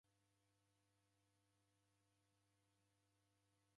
Kusemlase mbenyu ngonde!